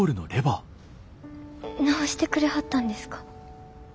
直してくれはったんですか。